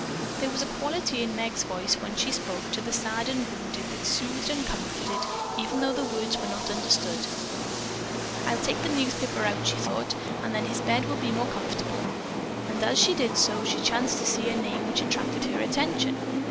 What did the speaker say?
There was a quality in Meg's voice when she spoke to the sad and wounded that soothed and comforted even though the words were not understood. "I'll take the newspaper out," she thought; "then his bed will be more comfortable." And, as she did so, she chanced to see a name which attracted her attention.